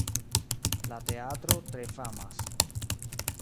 La teatro tre famas.